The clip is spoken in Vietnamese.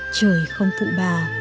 trời không phụ bà